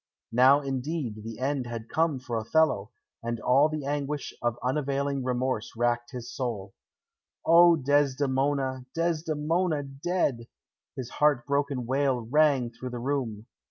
Now, indeed, the end had come for Othello, and all the anguish of unavailing remorse racked his soul. "O, Desdemona, Desdemona! Dead!" his heart broken wail rang through the room.